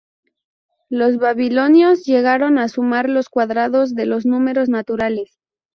Los babilonios llegaron a sumar los cuadrados de los números naturales.